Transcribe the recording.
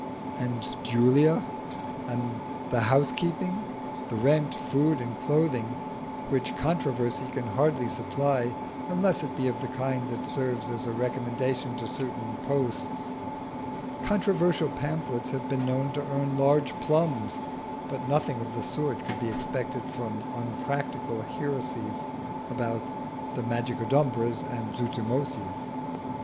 And Julia? And the housekeeping? the rent, food, and clothing, which controversy can hardly supply unless it be of the kind that serves as a recommendation to certain posts. Controversial pamphlets have been known to earn large plums; but nothing of the sort could be expected from unpractical heresies about the Magicodumbras and Zuzumotzis.